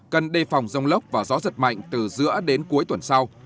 cần đề phòng rông lốc và gió giật mạnh từ giữa đến cuối tuần sau